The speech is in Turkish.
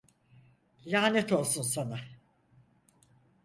Lanet olsun sana!